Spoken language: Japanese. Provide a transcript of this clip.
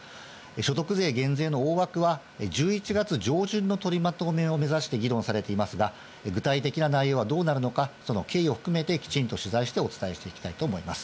所得税減税の大枠は１１月上旬の取りまとめを目指して議論されていますが、具体的な内容がどうなるのか、その経緯を含めてきちんと取材してお伝えしていきたいと思います。